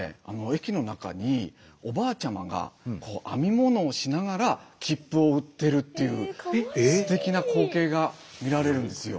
駅の中におばあちゃまが編み物をしながら切符を売ってるっていうすてきな光景が見られるんですよ。